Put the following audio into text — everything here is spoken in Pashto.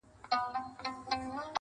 • د يوسفي ښکلا چيرمنې نوره مه راگوره.